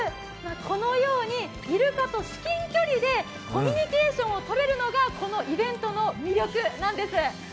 このように、イルカと至近距離でコミュニケーションをとれるのがこのイベントの魅力なんです。